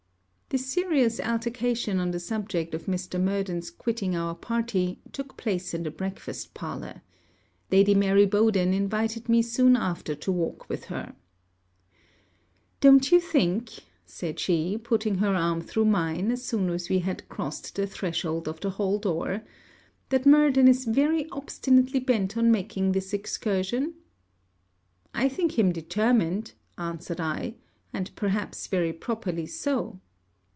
This serious altercation on the subject of Mr. Murden's quitting our party, took place in the breakfast parlour. Lady Mary Bowden invited me soon after to walk with her. 'Don't you think,' said she, putting her arm through mine, as soon as we had crossed the threshold of the Hall door, 'that Murden is very obstinately bent on making this excursion?' 'I think him determined,' answered I; 'and perhaps very properly so.'